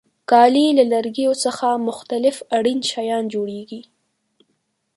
کالي له لرګیو څخه مختلف اړین شیان جوړیږي.